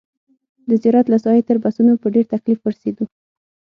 د زیارت له ساحې تر بسونو په ډېر تکلیف ورسېدو.